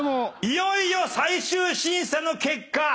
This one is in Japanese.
いよいよ最終審査の結果。